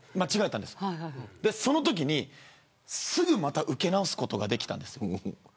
そのときに、すぐまた受け直すことができたんです。